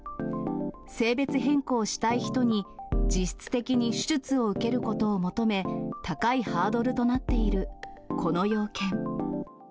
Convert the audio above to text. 性別変更したい人に実質的に手術を受けることを求め、高いハードルとなっているこの要件。